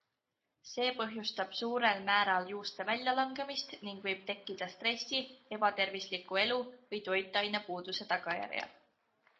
See põhjustab suurel määral juuste väljalangemist ning võib tekkida stressi, ebatervisliku elu või toitainepuuduse tagajärjel.